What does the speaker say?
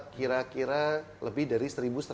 kira kira lebih dari